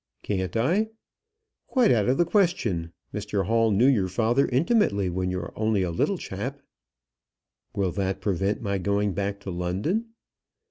"Can't I?" "Quite out of the question. Mr Hall knew your father intimately when you were only a little chap." "Will that prevent my going back to London?"